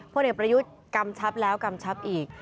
พยกำชับแล้วกำชับอีก